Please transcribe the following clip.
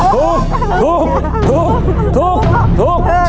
ถูกถูกถูกถูกถูกถูก